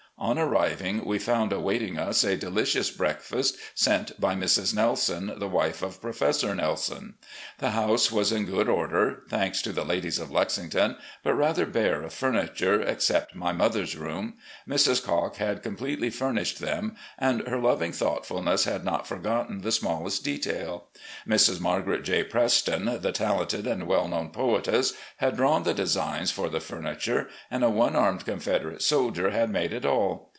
On arriving, we found awaiting us a delicious breakfast sent by Mrs. Nelson, the wife of Professor Nelson. The house was in good order — ^thanks to the ladies of Lexington — ^but rather bare of furniture, except my mother's rooms. Mrs. Cocke had completely furnished them, and her loving thoughtfulness had not forgotten the smallest detail. Mrs. Margaret J. Preston, the talented and well known poetess, had drawn the designs for the furniture, and a one armed Confederate soldier had made it all.